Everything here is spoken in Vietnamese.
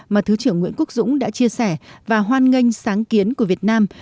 mà thứ trưởng nguyễn quốc dũng đã chia sẻ và hoan nghênh sáng kiến của việt nam